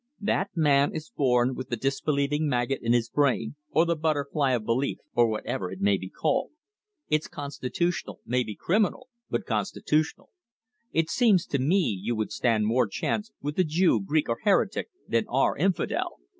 that a man is born with the disbelieving maggot in his brain, or the butterfly of belief, or whatever it may be called. It's constitutional may be criminal, but constitutional. It seems to me you would stand more chance with the Jew, Greek, or heretic, than our infidel.